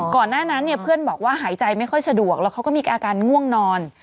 ก่อนหน้านั้นเนี่ยเพื่อนบอกว่าหายใจไม่ค่อยสะดวกแล้วเขาก็มีอาการง่วงนอน